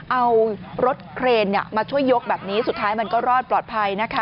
เอารถเครนมาช่วยยกแบบนี้สุดท้ายมันก็รอดปลอดภัยนะคะ